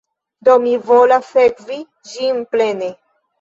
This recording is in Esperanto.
Do, mi volas sekvi ĝin plene